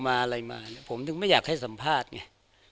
มาอะไรมาผมถึงไม่อยากให้สัมภาษณ์ไง